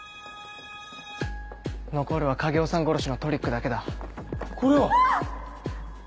残るは影尾さん殺しのトリックだけだ。